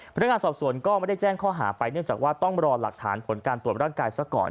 พนักงานสอบสวนก็ไม่ได้แจ้งข้อหาไปเนื่องจากว่าต้องรอหลักฐานผลการตรวจร่างกายซะก่อน